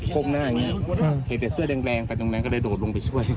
ก้มหน้าอย่างนี้เห็นแต่เสื้อแดงไปตรงนั้นก็เลยโดดลงไปช่วย